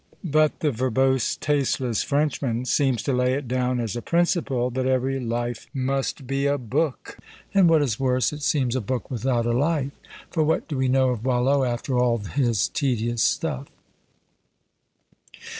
But the verbose, tasteless Frenchman seems to lay it down as a principle, that every life must be a book, and, what is worse, it seems a book without a life; for what do we know of Boileau after all his tedious stuff?"